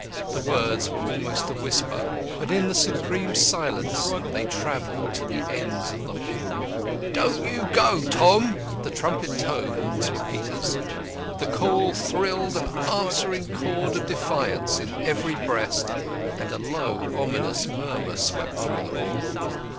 The words were almost a whisper, but in the supreme silence they travelled to the ends of the hall. "Don't you go, Tom!" The trumpet tones were Peter's. The call thrilled an answering chord of defiance in every breast, and a low ominous murmur swept through the hall.